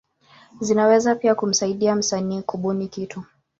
Zinaweza pia kumsaidia msanii kubuni kitu.